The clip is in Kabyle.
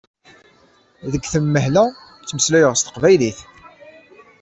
Deg tenmehla ttmeslayeɣ s teqbaylit.